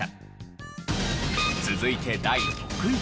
続いて第６位。